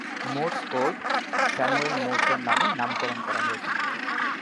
Morse code Samuel Morse এর নামে নামকরণ করা হয়েছে।